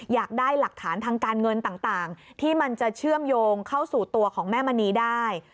อยากได้หลักฐานทางการเงินต่างที่มันจะเชื่อมโยงเข้าสู่ตัวของแม่มณีได้